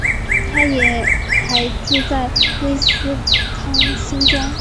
她也还住在威斯康星州。